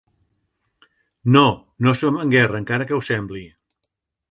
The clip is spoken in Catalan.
No, no som en guerra, encara que ho sembli!